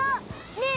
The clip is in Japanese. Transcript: ねえ。